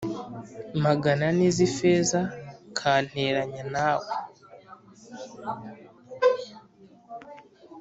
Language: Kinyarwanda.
magana ane z ifeza kanteranya nawe